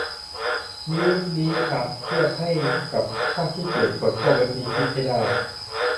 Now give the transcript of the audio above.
มีเว็บนี้อะเทียบให้กับถ้าขี้เกียจกด ก็เว็บนี้คิด ให้ได้